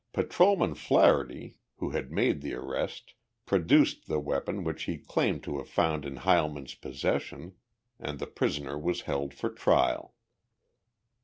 Patrolman Flaherty, who had made the arrest, produced the weapon which he claimed to have found in Heilman's possession and the prisoner was held for trial.